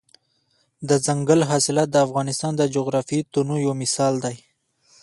دځنګل حاصلات د افغانستان د جغرافیوي تنوع یو مثال دی.